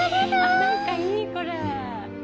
何かいいこれ。